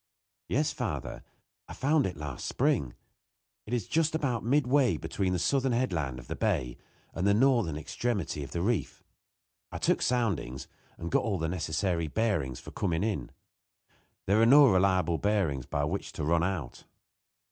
"Yes, father, I found it last spring. It is just about midway between the southern headland of the bay and the northern extremity of the reef. I took soundings, and got all the necessary bearings for coming in. There are no reliable bearings by which to run out."